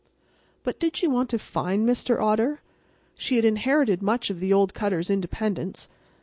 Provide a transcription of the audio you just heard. But did she want to find Mr. Otter? She had inherited much of the old cutter's independence.